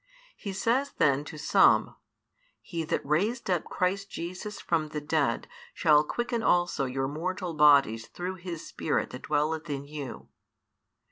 He says then to some: He that raised up Christ Jesus from the dead shall quicken also your mortal bodies through His Spirit that dwelleth in you.